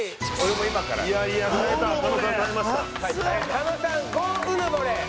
狩野さん５うぬぼれ。